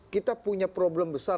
kita punya problem besar